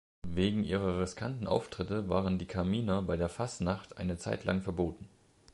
Wegen ihrer riskanten Auftritte waren die Kaminer bei der Fasnacht eine Zeit lang verboten.